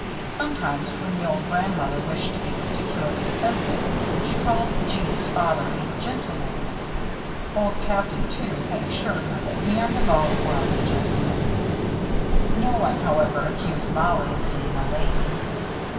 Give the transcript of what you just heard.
Sometimes, when the old grandmother wished to be particularly offensive, she called Jeanne's father "a gentleman." Old Captain, too, had assured her that Léon Duval was a gentleman. No one, however, accused Mollie of being a lady.